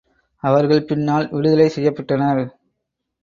அவர்கள் பின்னால் விடுதலை செய்யப்பட்டனர்.